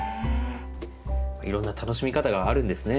いろんな楽しみ方があるんですね。